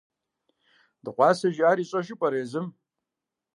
Дыгъуасэ жиӀар ищӀэжу пӀэрэ езым?